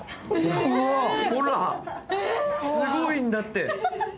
ほら、すごいんだって。